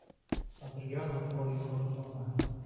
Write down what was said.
Adriana Poli Bortone